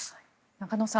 中野さん